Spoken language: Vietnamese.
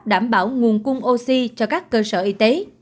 đảm bảo nguồn cung oxy cho các cơ sở y tế